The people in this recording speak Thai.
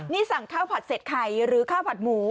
นี่สั่งข้าวผัดเสร็จไข่หรือข้าวผัดหมู